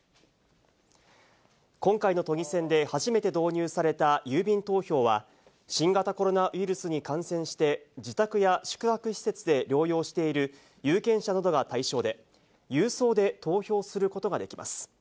今回の都議選で初めて導入された郵便投票は、新型コロナウイルスに感染して、自宅や宿泊施設で療養している有権者などが対象で、郵送で投票することができます。